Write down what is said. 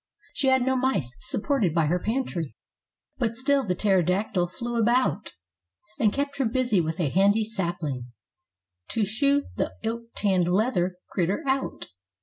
She had no mice supported by her pantry, but still the pterodactyl flew about. And kept her busy with a handy sapling to shoe the oak tanned leather crit¬ ter out.